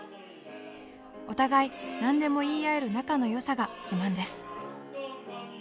お互い何でも言い合える仲のよさが自慢です。